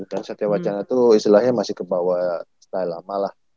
dan setiawacana itu istilahnya masih kebawa style lama lah